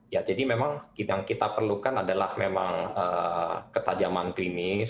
ya jadi memang yang kita perlukan adalah memang ketajaman klinis